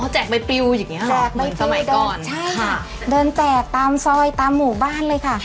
แจกใบปริวอย่างเงี้แจกในสมัยก่อนใช่ค่ะเดินแจกตามซอยตามหมู่บ้านเลยค่ะ